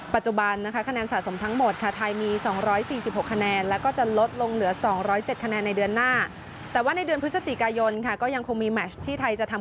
ปัจจุบันนะคะคะแนนสะสมทั้งหมดค่ะไทยมี๒๔๖คะแนนแล้วก็จะลดลงเหลือ๒๐๗คะแนนในเดือนหน้าแต่ว่าในเดือนพฤศจิกายนค่ะก็ยังคงมีแมชที่ไทยจะทำ